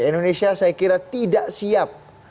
indonesia saya kira tidak siap